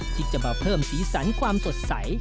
ที่จะมาเพิ่มสีสันความสดใส